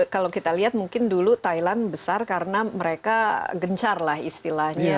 kalau kita lihat mungkin dulu thailand besar karena mereka gencar lah istilahnya